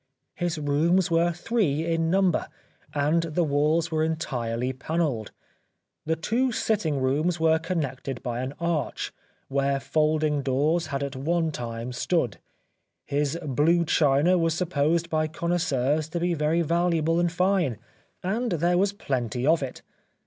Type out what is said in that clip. His rooms were three in number, and the walls were entirely panelled. The two sitting rooms were connected by an arch, where folding doors had at one 135 The Life of Oscar Wilde time stood. His blue china was supposed by connoisseurs to be very valuable and fine, and there was plenty of it.